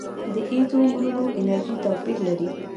د ایزومرونو انرژي توپیر لري.